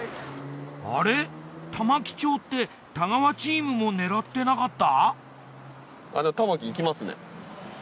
あれ玉城町って太川チームも狙ってなかった？